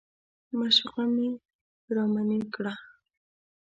معشوقه مې رامنې کړه.